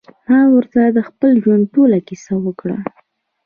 ما ورته د خپل ژوند ټوله کيسه وکړه.